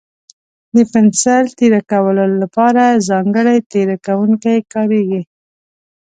د پنسل تېره کولو لپاره ځانګړی تېره کوونکی کارېږي.